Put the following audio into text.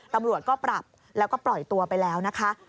ตำรวจก็ปรับแล้วก็ปล่อยตัวไปแล้วนะคะ